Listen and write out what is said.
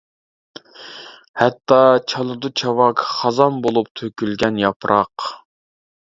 ھەتتا-چالىدۇ چاۋاك، خازان بولۇپ تۆكۈلگەن ياپراق.